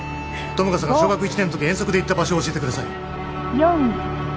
友果さんが小学１年の時遠足で行った場所を教えてください